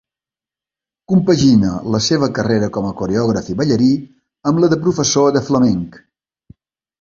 Compagina la seva carrera com a coreògraf i ballarí amb la de professor de flamenc.